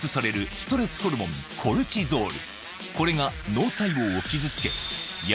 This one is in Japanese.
ストレスホルモンコルチゾール